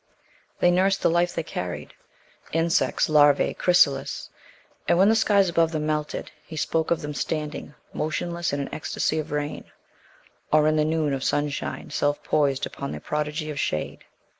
They nursed the life they carried insects, larvae, chrysalis and when the skies above them melted, he spoke of them standing "motionless in an ecstasy of rain," or in the noon of sunshine "self poised upon their prodigy of shade."